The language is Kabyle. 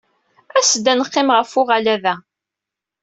As-d ad neqqim ɣef uɣalad-a.